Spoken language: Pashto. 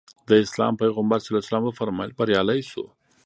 د اسلام پیغمبر ص وفرمایل بریالی شو.